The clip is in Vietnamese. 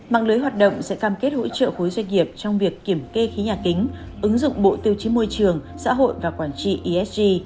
mạng lưới hoạt động sẽ cam kết hỗ trợ khối doanh nghiệp trong việc kiểm kê khí nhà kính ứng dụng bộ tiêu chí môi trường xã hội và quản trị esg